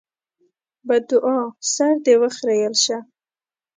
بدوعا: سر دې وخرېيل شه!